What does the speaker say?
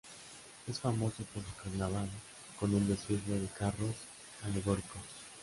Es famoso por su Carnaval, con un desfile de carros alegóricos.